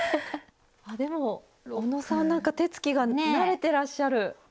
でもおのさんなんか手つきが慣れてらっしゃる。